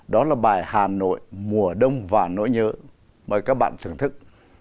đó là bài hà nội mùa đông và nỗi nhớ mời các bạn thưởng thức